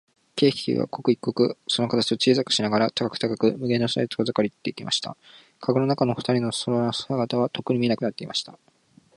軽気球は、刻一刻、その形を小さくしながら、高く高く、無限の空へと遠ざかっていきました。かごの中のふたりの姿は、とっくに見えなくなっていました。